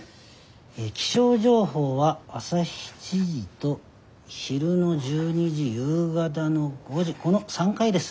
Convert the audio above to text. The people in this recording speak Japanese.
気象情報は朝７時ど昼の１２時夕方の５時この３回です。